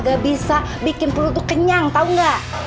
gak bisa bikin pelutu kenyang tau gak